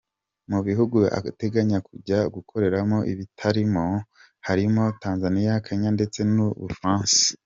Mu bihugu ateganya kujya gukoreramo ibitaramo, harimo Tanzania, Kenya ndetse n’u Bufaransa.